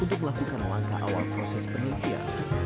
untuk melakukan langkah awal proses penelitian